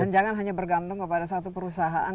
dan jangan hanya bergantung kepada satu perusahaan